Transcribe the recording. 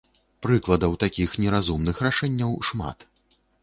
Прыкладаў такіх неразумных рашэнняў шмат.